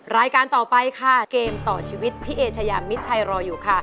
รายการต่อไปค่ะเกมต่อชีวิตพี่เอชายามิดชัยรออยู่ค่ะ